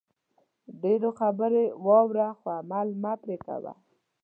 ډېرو خبرې واوره خو عمل مه پرې کوئ